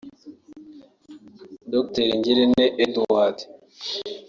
Dr Ngirente Edouard